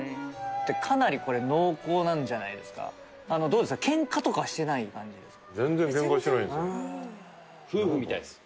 かなりこれ濃厚なんじゃないですかどうですかケンカとかしてない感じですか夫婦！